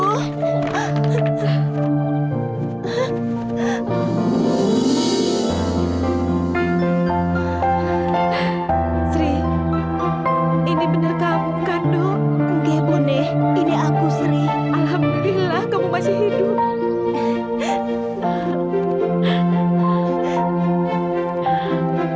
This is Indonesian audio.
seri ini bener kamu kandung ke bone ini aku seri alhamdulillah kamu masih hidup